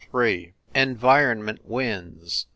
ENVIRONMENT WINS.